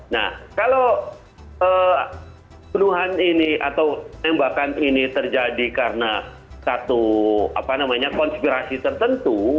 nah kalau peluhan ini atau tembakan ini terjadi karena satu konspirasi tertentu